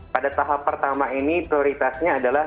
pada tahap pertama ini prioritasnya adalah